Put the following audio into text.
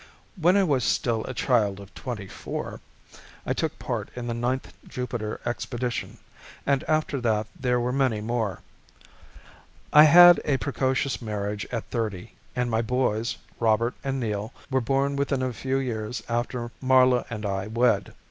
When I was still a child of twenty four I took part in the Ninth Jupiter Expedition and after that there were many more. I had a precocious marriage at thirty and my boys, Robert and Neil, were born within a few years after Marla and I wed.